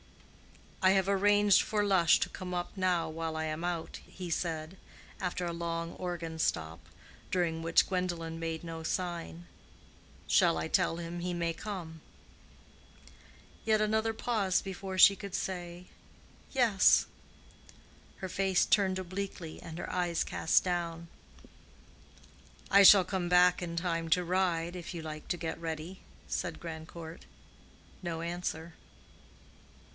"I have arranged for Lush to come up now, while I am out," he said, after a long organ stop, during which Gwendolen made no sign. "Shall I tell him he may come?" Yet another pause before she could say "Yes"—her face turned obliquely and her eyes cast down. "I shall come back in time to ride, if you like to get ready," said Grandcourt. No answer.